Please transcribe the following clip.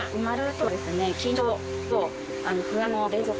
そうですね。